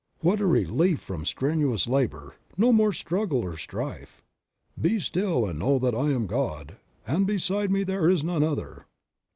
What a relief from strenuous labor; no more struggle or strife. "Be still and know that I am God, and beside me there is none other."